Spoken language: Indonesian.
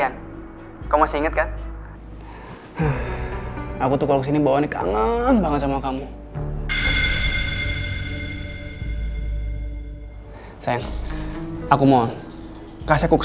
aku mohon kasih aku kesempatan sekali lagi aku janji noche mbakroon keamu dan aku janji untuk